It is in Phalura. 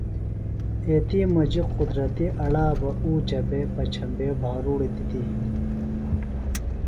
ایتی مجیۡ قدرتیۡ اڑا بہ اُوچہ بہ پچھمبے بھاروڑیۡ دِتیۡ ہنی